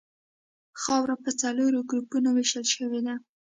خاوره په څلورو ګروپونو ویشل شوې ده